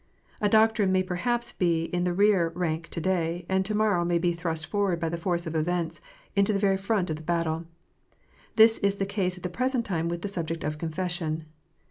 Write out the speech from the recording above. A doctrine may perhaps be in the rear rank to day, and to morrow may be thrust forward by the force of events into the very front of the battle. This is the case at the present time with the subject of " Confession."